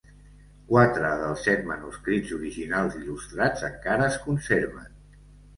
Quatre dels set manuscrits originals il·lustrats encara es conserven.